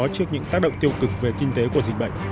trước những tác động tiêu cực về kinh tế của dịch bệnh